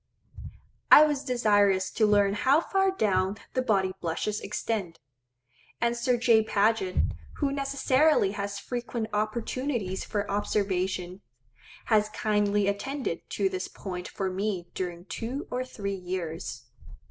I was desirous to learn how far down the body blushes extend; and Sir J. Paget, who necessarily has frequent opportunities for observation, has kindly attended to this point for me during two or three years.